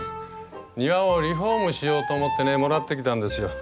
庭をリフォームしようと思ってねもらってきたんですよ。